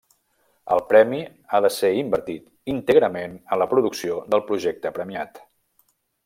El premi ha de ser invertit, íntegrament, en la producció del projecte premiat.